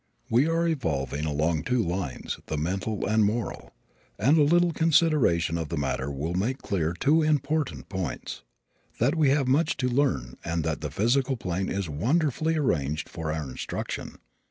We are evolving along two lines, the mental and moral, and a little consideration of the matter will make clear two important points that we have much to learn and that the physical plane is wonderfully arranged for our instruction.